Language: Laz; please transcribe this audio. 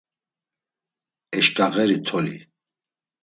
Eşǩağeri toli.